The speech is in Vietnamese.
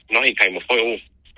nó hình thành một khối u